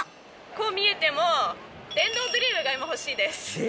こう見えても電動ドリルが今欲しいです。